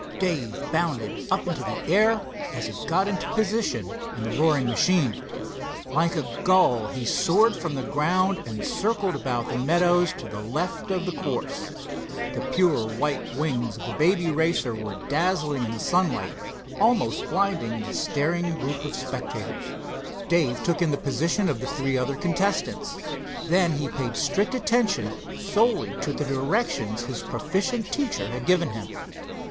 Dave bounded up into the air, as he got into position in the roaring machine. Like a gull he soared from the ground and circled about the meadows to the left of the course. The pure white wings of the Baby Racer were dazzling in the sunlight, almost blinding the staring group of spectators. Dave took in the position of the three other contestants. Then he paid strict attention solely to the directions his proficient teacher had given him.